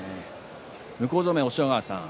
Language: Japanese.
向正面押尾川さん